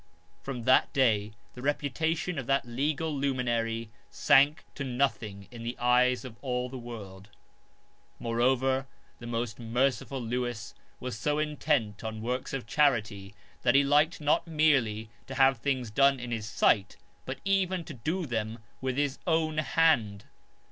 From that day the reputation of that legal luminary sank to nothing in the eyes of all the world. »55 HIS CARE FOR THE POOR 21. Moreover the most merciful Lewis was so intent on works of charity that he liked not merely to have them done in his sight, but even to do them with his own hand.